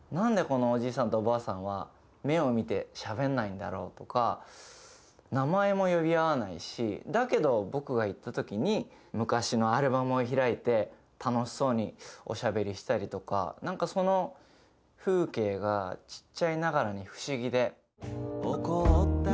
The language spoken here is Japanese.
んでこのおじいさんとおばあさんは目を見てしゃべんないんだろうとか名前も呼び合わないしだけど僕が行った時に昔のアルバムを開いて楽しそうにおしゃべりしたりとかなんかその風景がちっちゃいながらに不思議で。